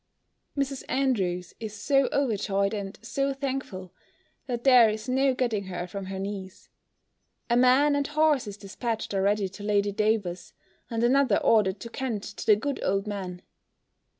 Mrs. Andrews is so overjoyed, and so thankful, that there is no getting her from her knees. A man and horse is dispatched already to Lady Davers, and another ordered to Kent, to the good old man.